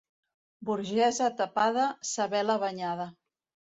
Burgesa tapada, sa vela banyada.